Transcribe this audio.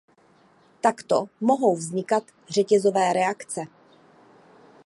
Takto mohou vznikat řetězové reakce.